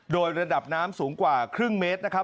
โดยระดับน้ำสูงกว่าครึ่งเมตรนะครับ